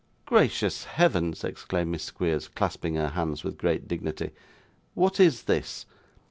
'Gracious heavens!' exclaimed Miss Squeers, clasping her hands with great dignity. 'What is this?